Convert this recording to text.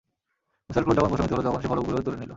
মূসার ক্রোধ যখন প্রশমিত হলো তখন সে ফলকগুলো তুলে নিল।